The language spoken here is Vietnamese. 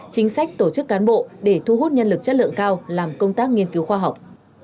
chính sách tổ chức cán bộ để thu hút nhân lực chất lượng cao làm công tác nghiên cứu khoa học